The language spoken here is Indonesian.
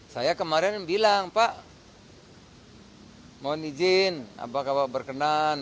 saya kemarin bilang pak mohon izin apa kabar berkenan